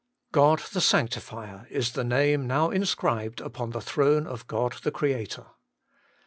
God the Sanctifier is the name now inscribed upon the throne of God the Creator.